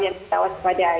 yang kita waspadaiki